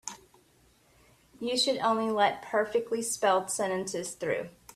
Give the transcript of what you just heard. You should only let perfectly spelled sentences through.